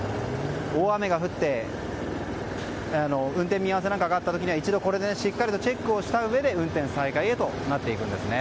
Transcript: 大雨が降って運転見合わせがあった時にはこちらでしっかりチェックしたうえで運転再開となっていくんですね。